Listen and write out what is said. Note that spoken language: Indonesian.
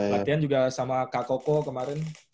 latihan juga sama kak koko kemarin